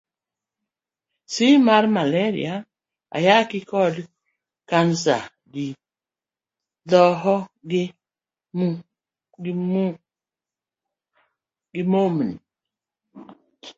C. mar Maleria, Ayaki, kod kansaD. Dhoho, gi momni